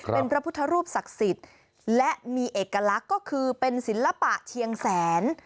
เป็นพระพุทธรูปศักดิ์สิทธิ์และมีเอกลักษณ์ก็คือเป็นศิลปะเชียงแสน